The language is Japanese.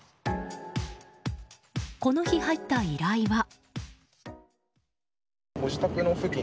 この日、入った依頼は。